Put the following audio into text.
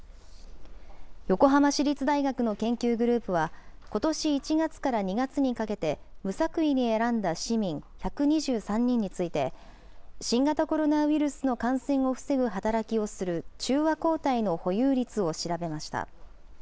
横浜市立大学の研究グループは、ことし１月から２月にかけて、無作為に選んだ市民１２３人について、新型コロナウイルスの感染を防ぐ働きをする中和抗体の保有率を調べました。